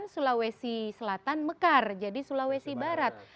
dua ribu sembilan sulawesi selatan mekar jadi sulawesi barat